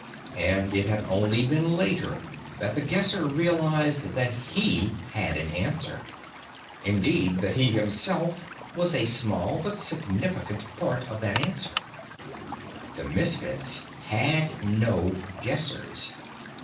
And it had only been later that The Guesser realized that he had an answer. Indeed, that he himself, was a small, but significant part of that answer. The Misfits had no Guessers.